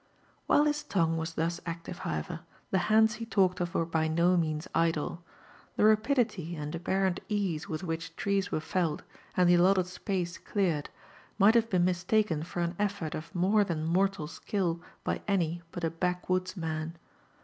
While his tongue was thus active, howeinr, the bands he lalk^ M were by no means idle. The rapidity and apparent ease with Whiell trees were felled, and the allotted spac^ cleared ^ might have been mi^ taken for an effort of more than mortal skill by any but A baok wo6d$^ man.